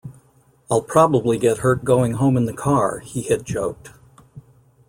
"I'll probably get hurt going home in the car," he had joked.